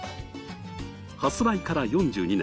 発売から４２年。